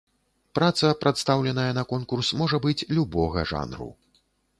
Праца, прадстаўленая на конкурс, можа быць любога жанру.